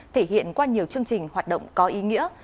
thể hiện qua nhiều chương trình hoạt động có ý nghĩa